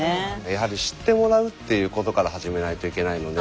やはり知ってもらうっていうことから始めないといけないので。